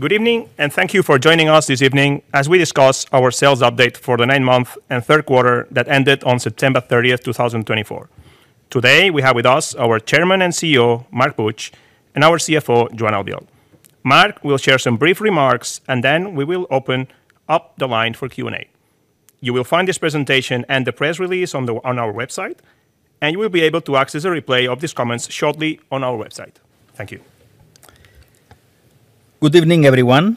Good evening, and thank you for joining us this evening as we discuss our sales update for the ninth month and third quarter that ended on September 30, 2024. Today, we have with us our Chairman and CEO, Marc Puig, and our CFO, Joan Albiol. Marc will share some brief remarks, and then we will open up the line for Q&A. You will find this presentation and the press release on our website, and you will be able to access a replay of these comments shortly on our website. Thank you. Good evening, everyone.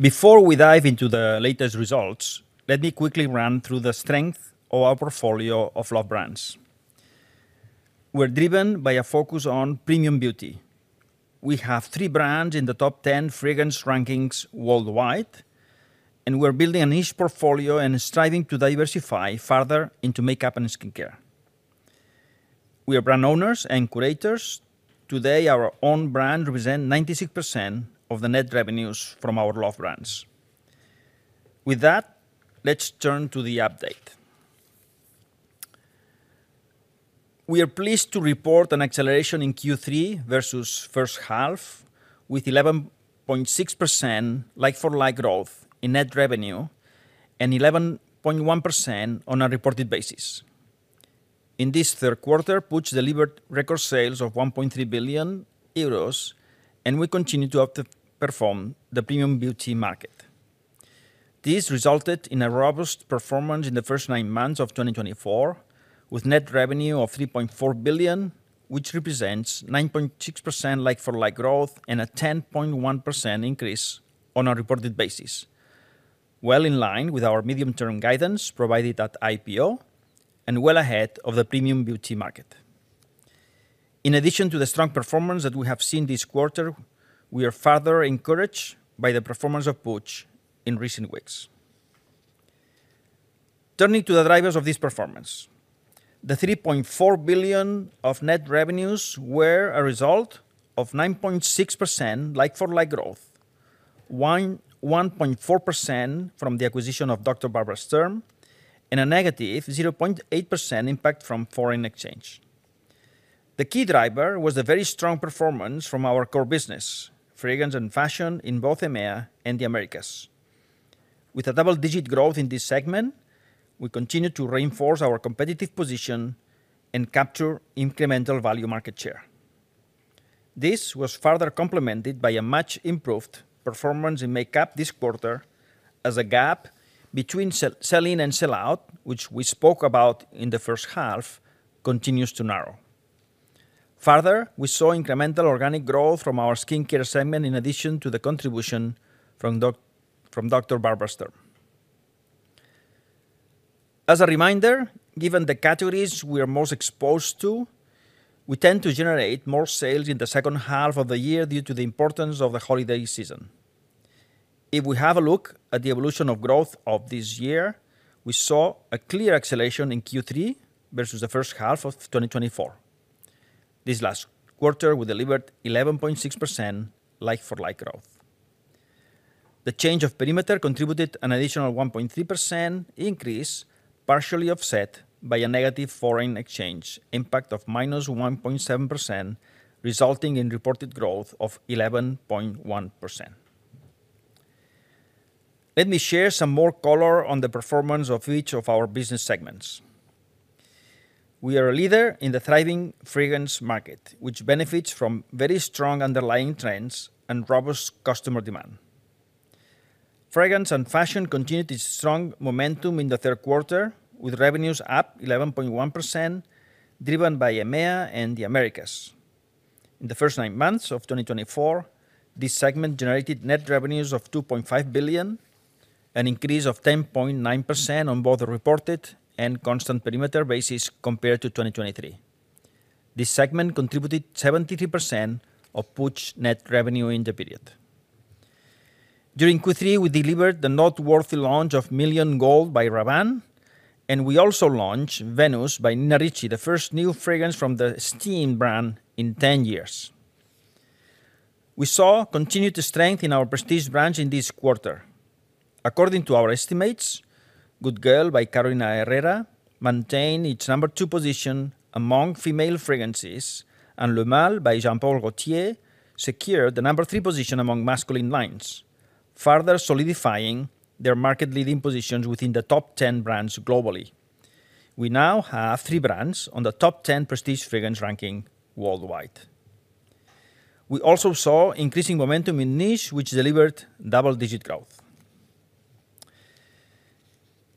Before we dive into the latest results, let me quickly run through the strength of our portfolio of love brands. We're driven by a focus on premium beauty. We have three brands in the top 10 fragrance rankings worldwide, and we're building a niche portfolio and striving to diversify further into makeup and skincare. We are brand owners and curators. Today, our own brand represents 96% of the net revenues from our love brands. With that, let's turn to the update. We are pleased to report an acceleration in Q3 versus first half, with 11.6% like-for-like growth in net revenue and 11.1% on a reported basis. In this third quarter, Puig delivered record sales of 1.3 billion euros, and we continue to outperform the premium beauty market. This resulted in a robust performance in the first nine months of 2024, with net revenue of €3.4 billion, which represents 9.6% like-for-like growth and a 10.1% increase on a reported basis, well in line with our medium-term guidance provided at IPO and well ahead of the premium beauty market. In addition to the strong performance that we have seen this quarter, we are further encouraged by the performance of Puig in recent weeks. Turning to the drivers of this performance, the €3.4 billion of net revenues were a result of 9.6% like-for-like growth, 1.4% from the acquisition of Dr. Barbara Sturm, and a negative 0.8% impact from foreign exchange. The key driver was the very strong performance from our core business, fragrance and fashion in both EMEA and the Americas. With a double-digit growth in this segment, we continue to reinforce our competitive position and capture incremental value market share. This was further complemented by a much-improved performance in makeup this quarter, as a gap between sell-in and sell-out, which we spoke about in the first half, continues to narrow. Further, we saw incremental organic growth from our skincare segment in addition to the contribution from Dr. Barbara Sturm. As a reminder, given the categories we are most exposed to, we tend to generate more sales in the second half of the year due to the importance of the holiday season. If we have a look at the evolution of growth of this year, we saw a clear acceleration in Q3 versus the first half of 2024. This last quarter, we delivered 11.6% like-for-like growth. The change of perimeter contributed an additional 1.3% increase, partially offset by a negative foreign exchange impact of minus 1.7%, resulting in reported growth of 11.1%. Let me share some more color on the performance of each of our business segments. We are a leader in the thriving fragrance market, which benefits from very strong underlying trends and robust customer demand. Fragrance and fashion continued its strong momentum in the third quarter, with revenues up 11.1%, driven by EMEA and the Americas. In the first nine months of 2024, this segment generated net revenues of 2.5 billion, an increase of 10.9% on both the reported and constant perimeter basis compared to 2023. This segment contributed 73% of Puig's net revenue in the period. During Q3, we delivered the noteworthy launch of Million Gold by Rabanne, and we also launched Venus by Nina Ricci, the first new fragrance from the Nina brand in 10 years. We saw continued strength in our prestige brands in this quarter. According to our estimates, Good Girl by Carolina Herrera maintained its number 2 position among female fragrances, and Le Male by Jean Paul Gaultier secured the number 3 position among masculine lines, further solidifying their market leading positions within the top 10 brands globally. We now have three brands on the top 10 prestige fragrance ranking worldwide. We also saw increasing momentum in niche, which delivered double-digit growth.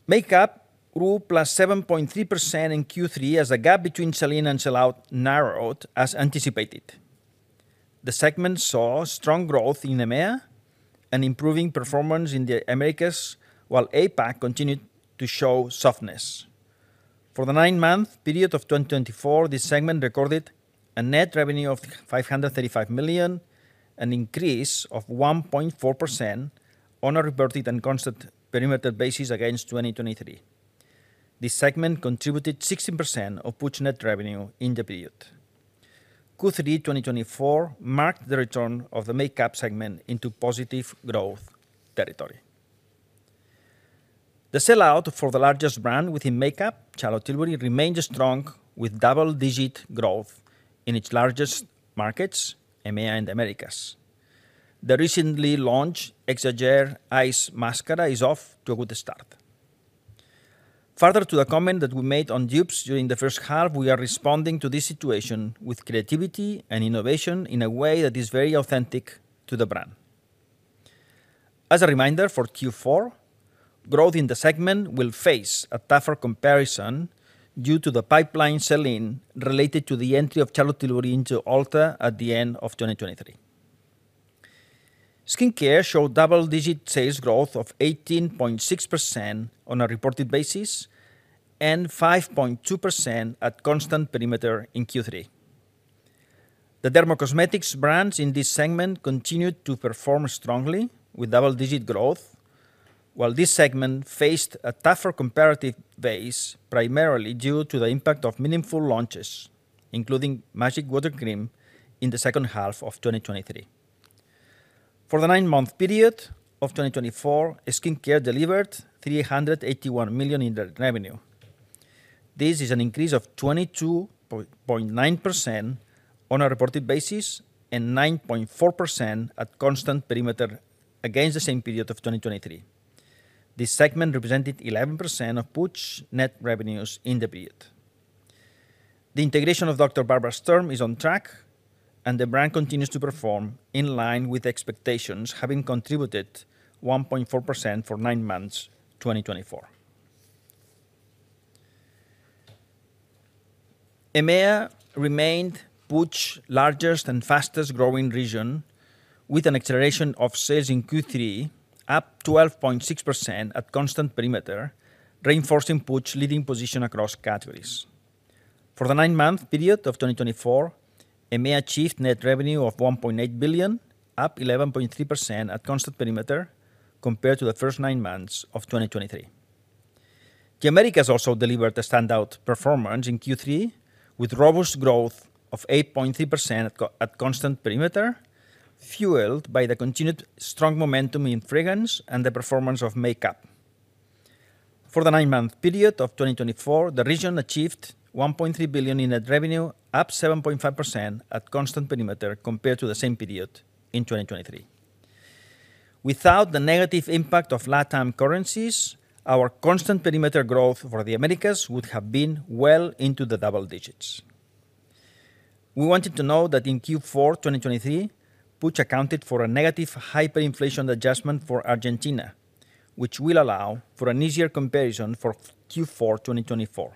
Makeup grew plus 7.3% in Q3 as the gap between sell-in and sell-out narrowed, as anticipated. The segment saw strong growth in EMEA and improving performance in the Americas, while APAC continued to show softness. For the nine-month period of 2024, this segment recorded a net revenue of 535 million, an increase of 1.4% on a reported and constant perimeter basis against 2023. This segment contributed 16% of Puig's net revenue in the period. Q3 2024 marked the return of the makeup segment into positive growth territory. The sell-out for the largest brand within makeup, Charlotte Tilbury, remained strong, with double-digit growth in its largest markets, EMEA and the Americas. The recently launched Exagger-Eyes Volume Mascara is off to a good start. Further to the comment that we made on dupes during the first half, we are responding to this situation with creativity and innovation in a way that is very authentic to the brand. As a reminder for Q4, growth in the segment will face a tougher comparison due to the pipeline sell-in related to the entry of Charlotte Tilbury into Ulta at the end of 2023. Skincare showed double-digit sales growth of 18.6% on a reported basis and 5.2% at constant perimeter in Q3. The dermocosmetics brands in this segment continued to perform strongly with double-digit growth, while this segment faced a tougher comparative base, primarily due to the impact of meaningful launches, including Magic Water Cream in the second half of 2023. For the nine-month period of 2024, skincare delivered 381 million in net revenue. This is an increase of 22.9% on a reported basis and 9.4% at constant perimeter against the same period of 2023. This segment represented 11% of Puig's net revenues in the period. The integration of Dr. Barbara Sturm is on track, and the brand continues to perform in line with expectations, having contributed 1.4% for nine months 2024. EMEA remained Puig's largest and fastest-growing region, with an acceleration of sales in Q3 up 12.6% at constant perimeter, reinforcing Puig's leading position across categories. For the nine-month period of 2024, EMEA achieved net revenue of 1.8 billion, up 11.3% at constant perimeter compared to the first nine months of 2023. The Americas also delivered a standout performance in Q3, with robust growth of 8.3% at constant perimeter, fueled by the continued strong momentum in fragrance and the performance of makeup. For the nine-month period of 2024, the region achieved 1.3 billion in net revenue, up 7.5% at constant perimeter compared to the same period in 2023. Without the negative impact of unfavorable currencies, our constant perimeter growth for the Americas would have been well into the double digits. We wanted to note that in Q4 2023, Puig accounted for a negative hyperinflation adjustment for Argentina, which will allow for an easier comparison for Q4 2024.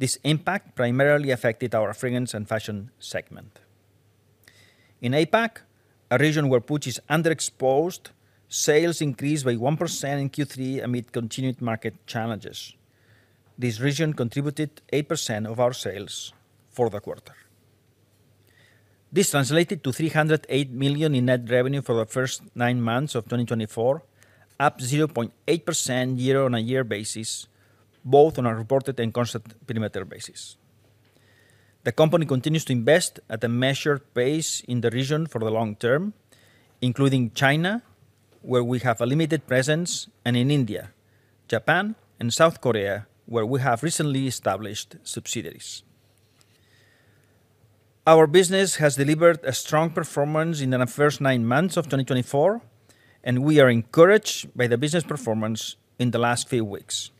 This impact primarily affected our fragrance and fashion segment. In APAC, a region where Puig is underexposed, sales increased by 1% in Q3 amid continued market challenges. This region contributed 8% of our sales for the quarter. This translated to 308 million in net revenue for the first nine months of 2024, up 0.8% year-on-year basis, both on a reported and constant perimeter basis. The company continues to invest at a measured pace in the region for the long term, including China, where we have a limited presence, and in India, Japan, and South Korea, where we have recently established subsidiaries. Our business has delivered a strong performance in the first nine months of 2024, and we are encouraged by the business performance in the last few weeks.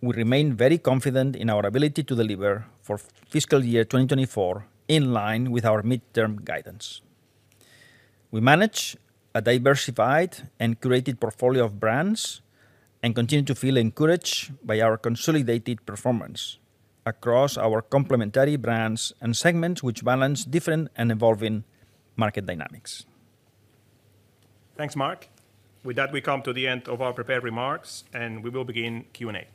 We remain very confident in our ability to deliver for fiscal year 2024 in line with our midterm guidance. We manage a diversified and curated portfolio of brands and continue to feel encouraged by our consolidated performance across our complementary brands and segments, which balance different and evolving market dynamics. Thanks, Marc. With that, we come to the end of our prepared remarks, and we will begin Q&A.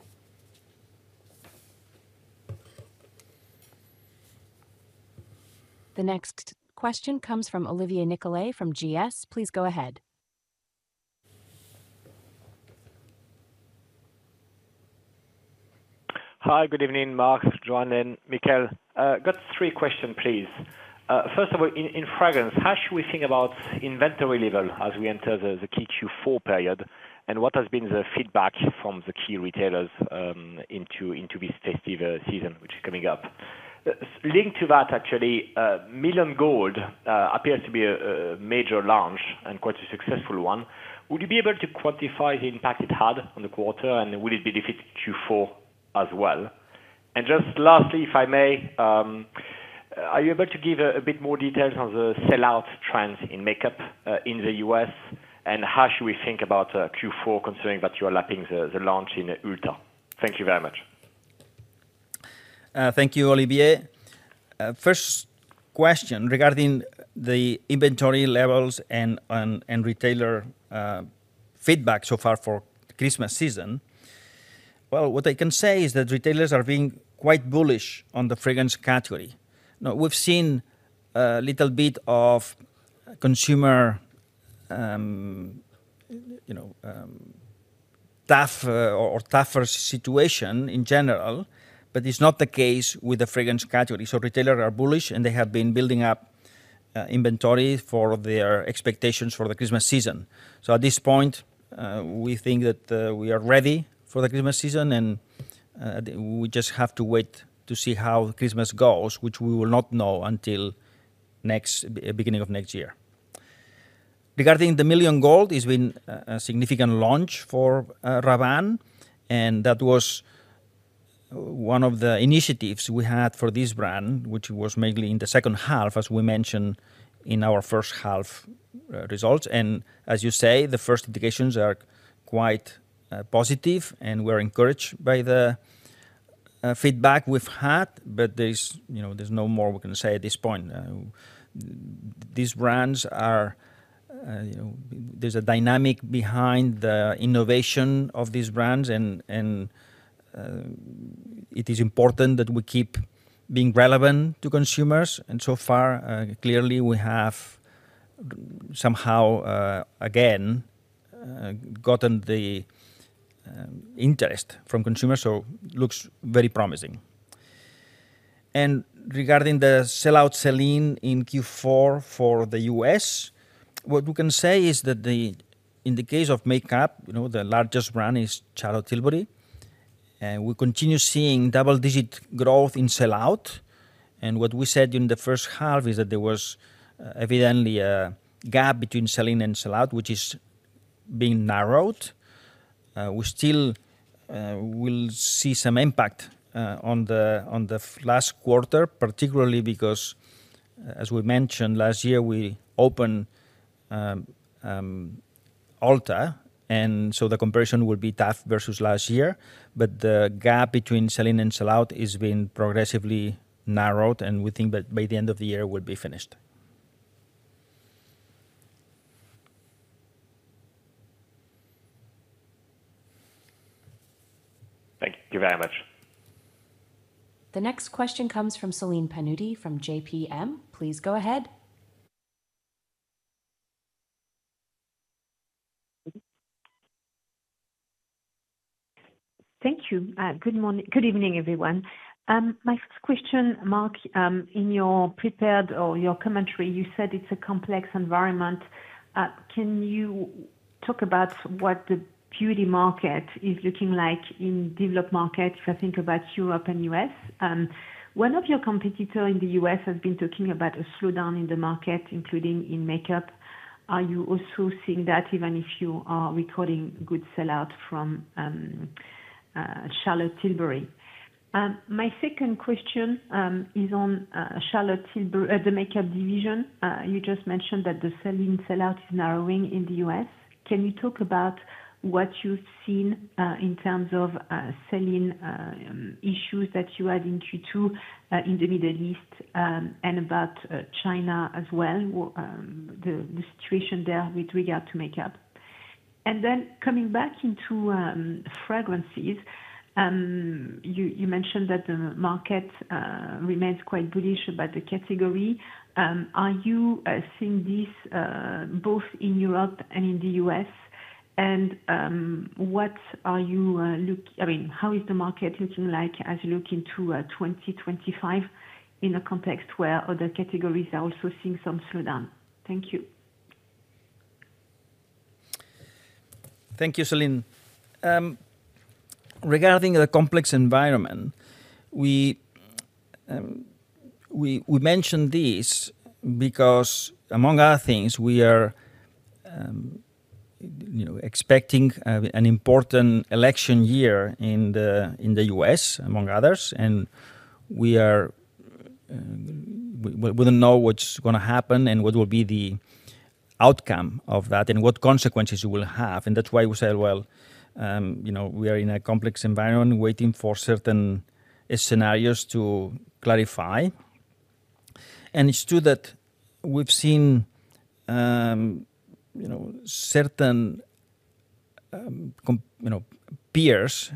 The next question comes from Olivier Nicolai from GS. Please go ahead. Hi, good evening, Marc, Joan, and Michael. Got three questions, please. First of all, in fragrance, how should we think about inventory level as we enter the Q4 period, and what has been the feedback from the key retailers into this festive season, which is coming up? Linked to that, actually, Million Gold appears to be a major launch and quite a successful one. Would you be able to quantify the impact it had on the quarter, and will it be difficult Q4 as well? And just lastly, if I may, are you able to give a bit more details on the sell-out trends in makeup in the U.S., and how should we think about Q4 considering that you are lapping the launch in Ulta? Thank you very much. Thank you, Olivier. First question regarding the inventory levels and retailer feedback so far for Christmas season. Well, what I can say is that retailers are being quite bullish on the fragrance category. We've seen a little bit of consumer tough or tougher situation in general, but it's not the case with the fragrance category. So retailers are bullish, and they have been building up inventory for their expectations for the Christmas season. So at this point, we think that we are ready for the Christmas season, and we just have to wait to see how Christmas goes, which we will not know until the beginning of next year. Regarding the Million Gold, it's been a significant launch for Rabanne, and that was one of the initiatives we had for this brand, which was mainly in the second half, as we mentioned in our first half results. As you say, the first indications are quite positive, and we're encouraged by the feedback we've had, but there's no more we can say at this point. These brands are, there's a dynamic behind the innovation of these brands, and it is important that we keep being relevant to consumers. So far, clearly, we have somehow, again, gotten the interest from consumers, so it looks very promising. Regarding the sell-out sell-in in Q4 for the U.S., what we can say is that in the case of makeup, the largest brand is Charlotte Tilbury, and we continue seeing double-digit growth in sell-out. What we said during the first half is that there was evidently a gap between sell-in and sell-out, which is being narrowed. We still will see some impact on the last quarter, particularly because, as we mentioned, last year we opened Ulta, and so the comparison will be tough versus last year, but the gap between sell-in and sell-out is being progressively narrowed, and we think that by the end of the year, we'll be finished. Thank you very much. The next question comes from Celine Pannuti from JPM. Please go ahead. Thank you. Good evening, everyone. My first question, Marc, in your prepared or your commentary, you said it's a complex environment. Can you talk about what the beauty market is looking like in developed markets if I think about Europe and the US? One of your competitors in the US has been talking about a slowdown in the market, including in makeup. Are you also seeing that, even if you are recording good sell-out from Charlotte Tilbury? My second question is on Charlotte Tilbury, the makeup division. You just mentioned that the sell-in and sell-out is narrowing in the US. Can you talk about what you've seen in terms of sell-in issues that you had in Q2 in the Middle East and about China as well, the situation there with regard to makeup? And then coming back into fragrances, you mentioned that the market remains quite bullish about the category. Are you seeing this both in Europe and in the U.S.? And what are you looking at? I mean, how is the market looking like as you look into 2025 in a context where other categories are also seeing some slowdown? Thank you. Thank you, Celine. Regarding the complex environment, we mentioned this because, among other things, we are expecting an important election year in the U.S., among others, and we wouldn't know what's going to happen and what will be the outcome of that and what consequences it will have, and that's why we said, well, we are in a complex environment waiting for certain scenarios to clarify, and it's true that we've seen certain peers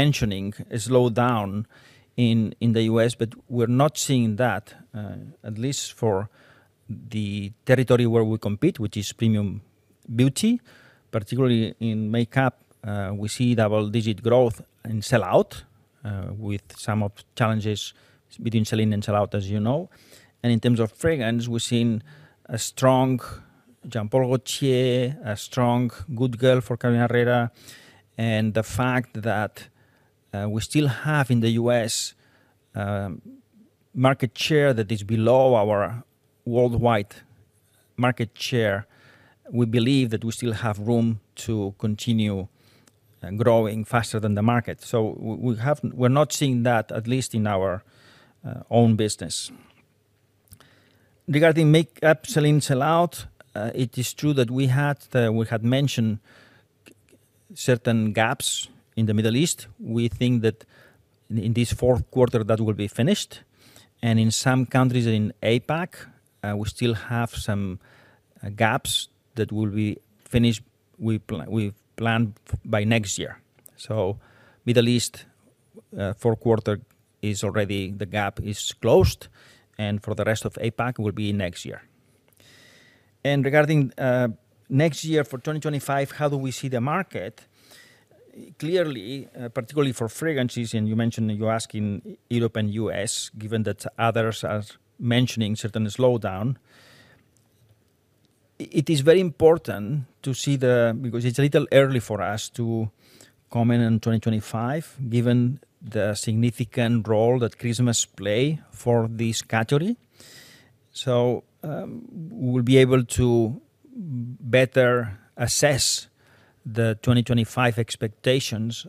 mentioning a slowdown in the U.S., but we're not seeing that, at least for the territory where we compete, which is premium beauty. Particularly in makeup, we see double-digit growth in sell-out with some of the challenges between sell-in and sell-out, as you know. And in terms of fragrance, we've seen a strong Jean Paul Gaultier, a strong Good Girl for Carolina Herrera, and the fact that we still have in the U.S. market share that is below our worldwide market share, we believe that we still have room to continue growing faster than the market, so we're not seeing that, at least in our own business. Regarding makeup, sell-in, sell-out, it is true that we had mentioned certain gaps in the Middle East. We think that in this fourth quarter, that will be finished, and in some countries in APAC, we still have some gaps that will be finished. We plan by next year, so Middle East fourth quarter is already the gap is closed, and for the rest of APAC, it will be next year, and regarding next year for 2025, how do we see the market? Clearly, particularly for fragrances, and you mentioned you're asking Europe and US, given that others are mentioning certain slowdown. It is very important to see, because it's a little early for us to comment on 2025, given the significant role that Christmas plays for this category. So we will be able to better assess the 2025 expectations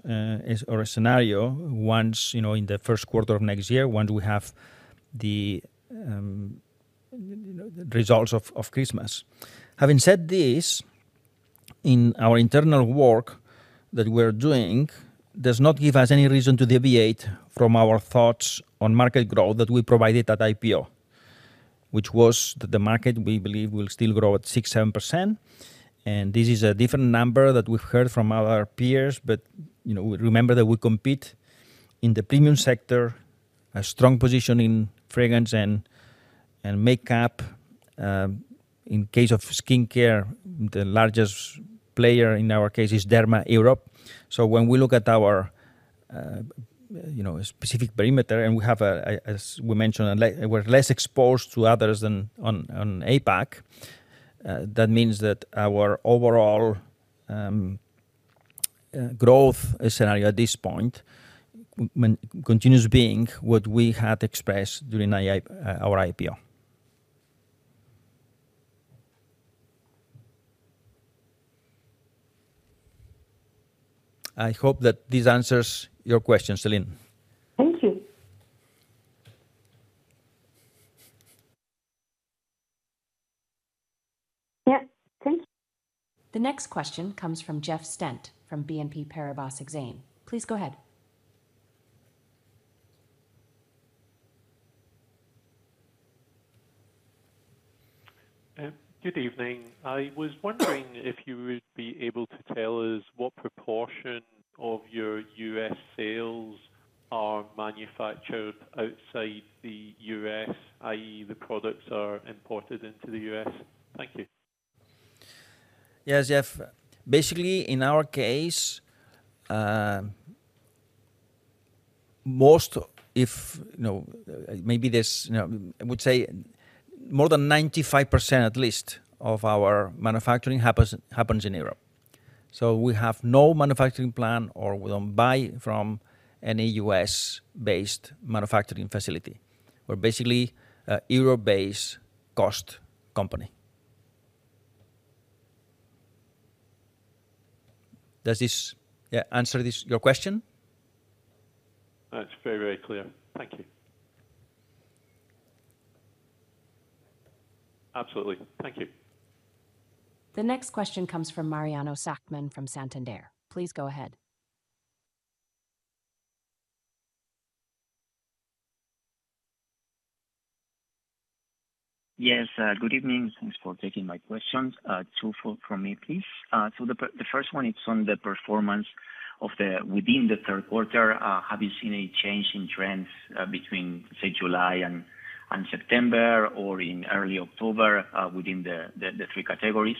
or scenario once in the first quarter of next year, once we have the results of Christmas. Having said this, in our internal work that we're doing, does not give us any reason to deviate from our thoughts on market growth that we provided at IPO, which was that the market, we believe, will still grow at 6%, 7%, and this is a different number that we've heard from our peers, but remember that we compete in the premium sector, a strong position in fragrance and makeup. In case of skincare, the largest player in our case is Derma Europe. So when we look at our specific perimeter and we have, as we mentioned, we're less exposed to others than on APAC, that means that our overall growth scenario at this point continues being what we had expressed during our IPO. I hope that this answers your question, Celine. Thank you. Yeah, thank you. The next question comes from Jeff Stent from BNP Paribas Exane. Please go ahead. Good evening. I was wondering if you would be able to tell us what proportion of your U.S. sales are manufactured outside the U.S., i.e., the products are imported into the U.S.? Thank you. Yes, Jeff. Basically, in our case, most, I would say more than 95% at least of our manufacturing happens in Europe. So we have no manufacturing plant or we don't buy from any U.S.-based manufacturing facility. We're basically a Europe-based cost company. Does this answer your question? That's very, very clear. Thank you. Absolutely. Thank you. The next question comes from Mariano Szachtman from Santander. Please go ahead. Yes, good evening. Thanks for taking my questions. Two for me, please. So the first one, it's on the performance within the third quarter. Have you seen any change in trends between, say, July and September or in early October within the three categories?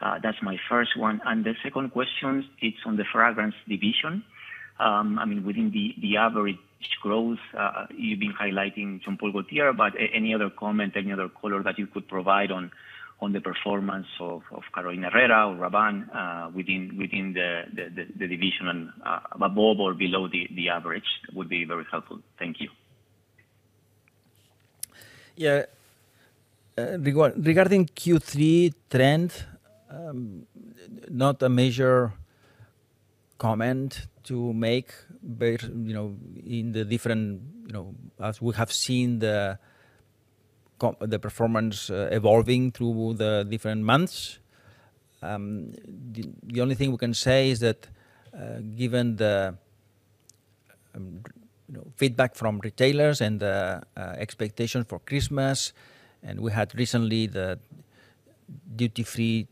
That's my first one. And the second question, it's on the fragrance division. I mean, within the average growth, you've been highlighting Jean Paul Gaultier, but any other comment, any other color that you could provide on the performance of Carolina Herrera or Rabanne within the division above or below the average would be very helpful. Thank you. Yeah. Regarding Q3 trend, not a major comment to make in the different, as we have seen the performance evolving through the different months. The only thing we can say is that given the feedback from retailers and the expectations for Christmas, and we had recently the duty-free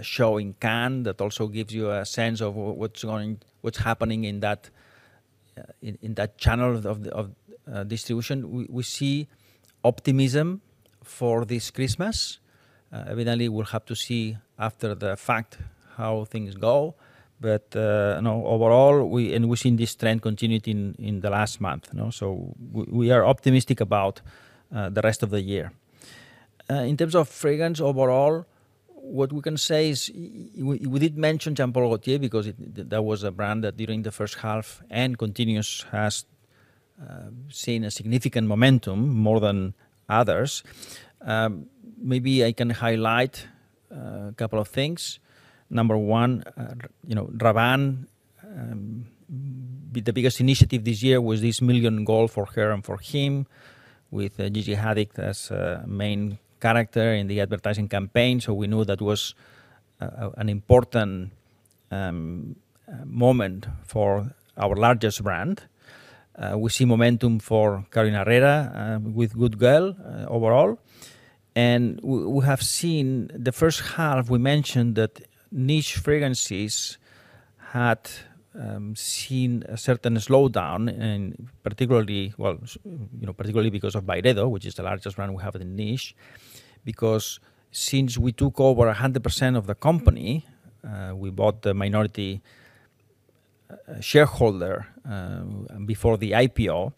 show in Cannes that also gives you a sense of what's happening in that channel of distribution, we see optimism for this Christmas. Evidently, we'll have to see after the fact how things go, but overall, and we've seen this trend continued in the last month, so we are optimistic about the rest of the year. In terms of fragrance overall, what we can say is we did mention Jean Paul Gaultier because that was a brand that during the first half and continues has seen a significant momentum more than others. Maybe I can highlight a couple of things. Number one, Rabanne, the biggest initiative this year was this Million Gold for her and for him with Gigi Hadid as a main character in the advertising campaign, so we knew that was an important moment for our largest brand. We see momentum for Carolina Herrera with Good Girl overall, and we have seen the first half. We mentioned that niche fragrances had seen a certain slowdown, particularly because of Byredo, which is the largest brand we have in niche, because since we took over 100% of the company, we bought the minority shareholder before the IPO,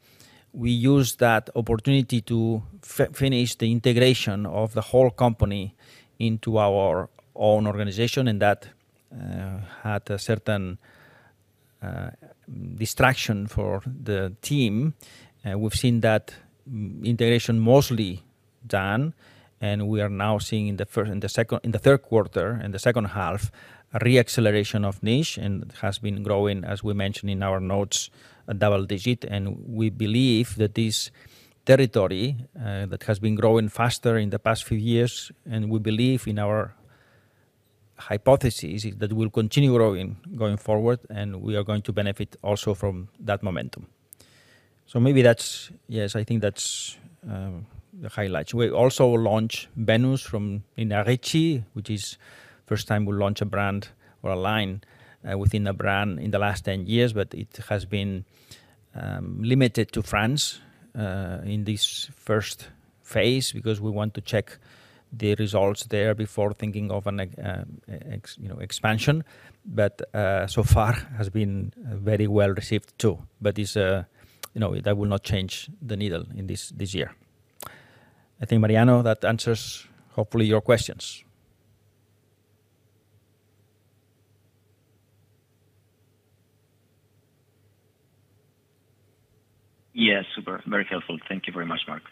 we used that opportunity to finish the integration of the whole company into our own organization, and that had a certain distraction for the team. We've seen that integration mostly done, and we are now seeing in the third quarter and the second half a reacceleration of niche, and it has been growing, as we mentioned in our notes, a double digit. We believe that this territory that has been growing faster in the past few years, and we believe in our hypothesis that we'll continue growing going forward, and we are going to benefit also from that momentum. So maybe that's, yes, I think that's the highlights. We also launched Venus from Nina Ricci, which is the first time we launched a brand or a line within a brand in the last 10 years, but it has been limited to France in this first phase because we want to check the results there before thinking of an expansion. But so far has been very well received too, but that will not change the needle in this year. I think, Mariano, that answers hopefully your questions. Yes, super. Very helpful. Thank you very much, Marc.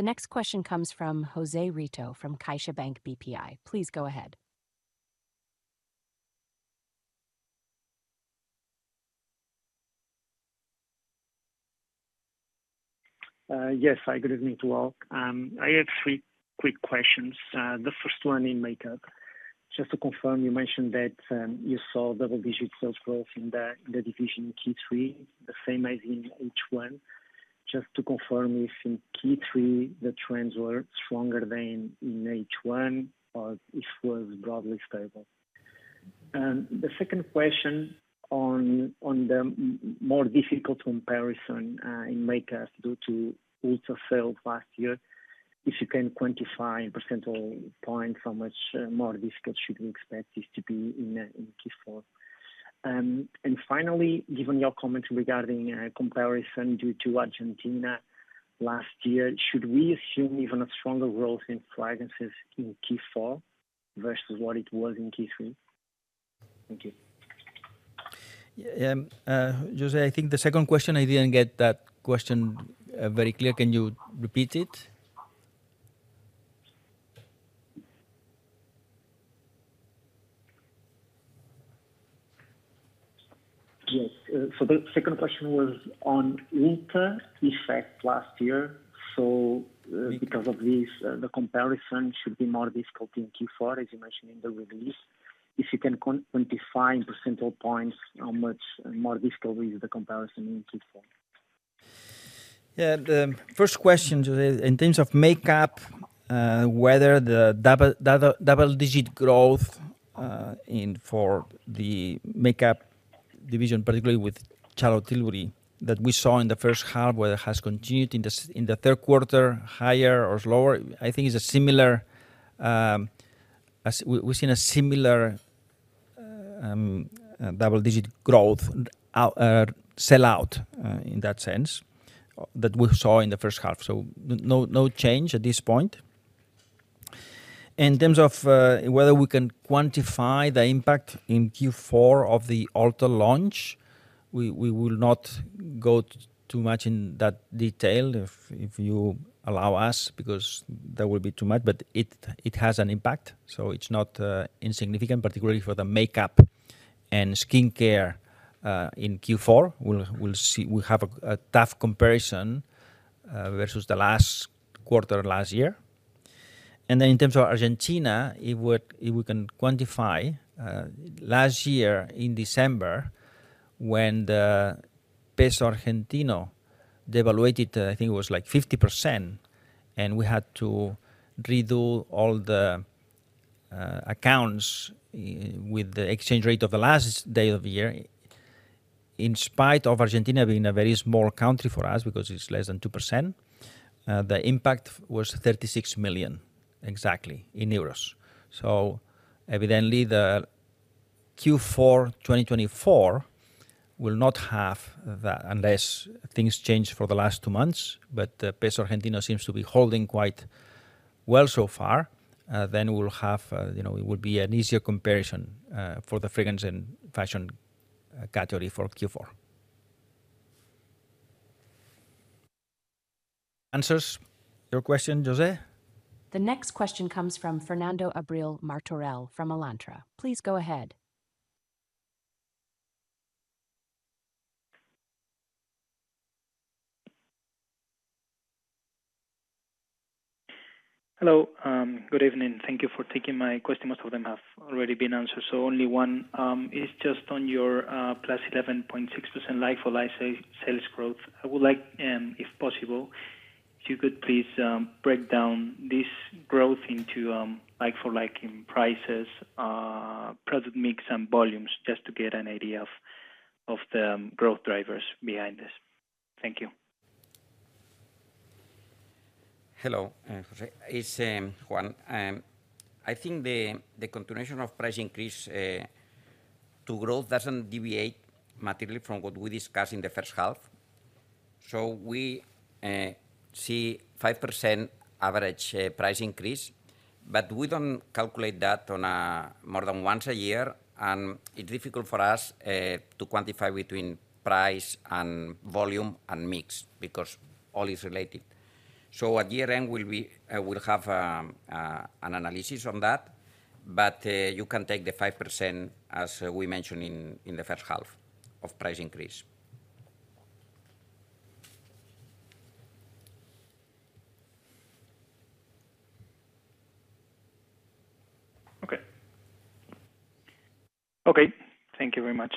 The next question comes from José Rito from CaixaBank BPI. Please go ahead. Yes, hi, good evening to all. I have three quick questions. The first one in makeup. Just to confirm, you mentioned that you saw double-digit sales growth in the division Q3, the same as in H1. Just to confirm, you think Q3 the trends were stronger than in H1 or it was broadly stable? The second question on the more difficult comparison in makeup due to Ulta sales last year, if you can quantify in percentage points how much more difficult should we expect this to be in Q4? And finally, given your comments regarding comparison due to Argentina last year, should we assume even a stronger growth in fragrances in Q4 versus what it was in Q3? Thank you. José, I think the second question, I didn't get that question very clear. Can you repeat it? Yes, so the second question was on Ulta effect last year, so because of this, the comparison should be more difficult in Q4, as you mentioned in the release. If you can quantify in percentage points how much more difficult is the comparison in Q4? Yeah. First question, José, in terms of makeup, whether the double-digit growth for the makeup division, particularly with Charlotte Tilbury, that we saw in the first half, whether it has continued in the third quarter higher or lower. I think it's similar. We've seen a similar double-digit growth, sell-out in that sense that we saw in the first half. So no change at this point. In terms of whether we can quantify the impact in Q4 of the new launch, we will not go too much into that detail, if you allow us, because that would be too much, but it has an impact. So it's not insignificant, particularly for the makeup and skincare in Q4. We'll have a tough comparison versus the last quarter last year. And then in terms of Argentina, if we can quantify, last year in December, when the peso argentino devalued, I think it was like 50%, and we had to redo all the accounts with the exchange rate of the last day of the year, in spite of Argentina being a very small country for us because it's less than 2%, the impact was 36 million exactly. So evidently, the Q4 2024 will not have that unless things change for the last two months, but the peso argentino seems to be holding quite well so far. Then it will be an easier comparison for the fragrance and fashion category for Q4. Answers your question, José? The next question comes from Fernando Abril-Martorell from Alantra. Please go ahead. Hello. Good evening. Thank you for taking my question. Most of them have already been answered. So only one. It's just on your plus 11.6% like-for-like sales growth. I would like, if possible, if you could please break down this growth into like-for-like in prices, product mix, and volumes just to get an idea of the growth drivers behind this. Thank you. Hello, José. It's Joan. I think the continuation of price increase to growth doesn't deviate materially from what we discussed in the first half, so we see 5% average price increase, but we don't calculate that more than once a year, and it's difficult for us to quantify between price and volume and mix because all is related, so at year-end, we'll have an analysis on that, but you can take the 5% as we mentioned in the first half of price increase. Okay. Okay. Thank you very much.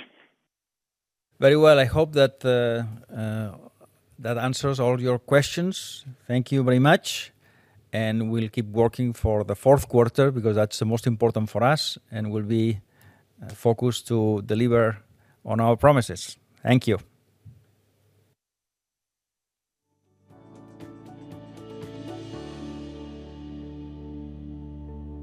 Very well. I hope that answers all your questions. Thank you very much. And we'll keep working for the fourth quarter because that's the most important for us, and we'll be focused to deliver on our promises. Thank you.